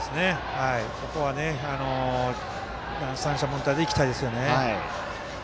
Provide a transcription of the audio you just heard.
ここは、三者凡退でいきたいですよね。